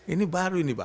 ini baru ini pak